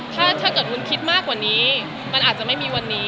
ถ้าเกิดวุ้นคิดมากกว่านี้มันอาจจะไม่มีวันนี้